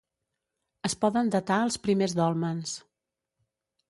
Es poden datar els primers dòlmens.